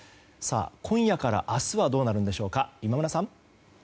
今夜から明日はどうなるんでしょう、今村さん。